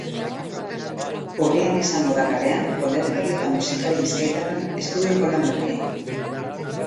Urrian izango da kalean olerkari eta musikari bizkaitarraren estudioko lan berria.